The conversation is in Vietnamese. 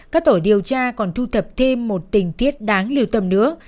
các tổ điều tra còn thu thập thêm một tình tiết đáng lưu tâm nữa